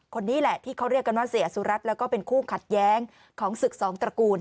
เขาเรียกกันว่าซิและซุรัสและก็เป็นคู่ขัดแย้งของศึกษองตระกูล